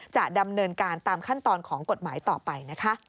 จะดำเนินการตามขั้นตอนของกฎหมายต่อไปนะคะ